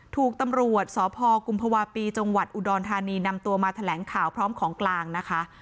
ถูกตำรวจสพกุมภาวะปีจังหวัดอุดรธานีนำตัวมาแถลงข่าวพร้อมของกลางนะคะ